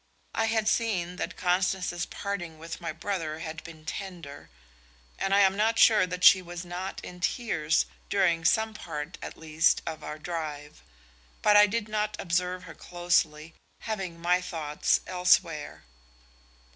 I had seen that Constance's parting with my brother had been tender, and I am not sure that she was not in tears during some part at least of our drive; but I did not observe her closely, having my thoughts elsewhere.